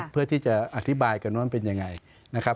เพื่อที่จะอธิบายกันนั้นเป็นอย่างไรนะครับ